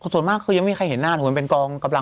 ส่วนมากยังไม่มีใครเห็นหน้าตรงประมาณบริกรองกำลับ